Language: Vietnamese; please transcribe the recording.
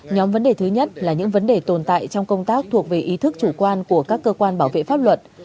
nhóm vấn đề thứ nhất là những vấn đề tồn tại trong công tác thuộc về ý thức chủ quan của các cơ quan bảo vệ pháp luật